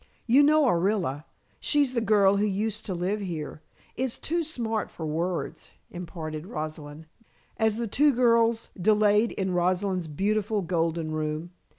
"You know Orilla, she's the girl who used to live here, is too smart for words," imparted Rosalind, as the two girls delayed in Rosalind's beautiful golden room.